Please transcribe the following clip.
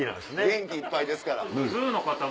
元気いっぱいですから。